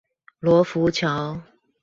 羅浮橋